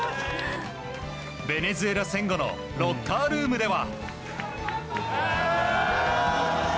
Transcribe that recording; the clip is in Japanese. ベネズエラ戦後のロッカールームでは。